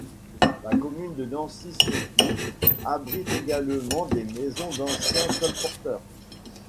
La commune de Nancy-Sur-Cluses abrite également des maisons d'anciens colporteurs.